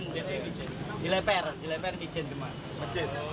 di tempat yang asli di jemaah